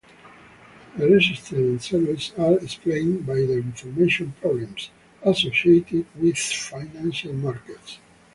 Their existence and services are explained by the "information problems" associated with financial markets.